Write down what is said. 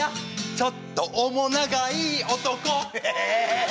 ちょっと面長いい男え！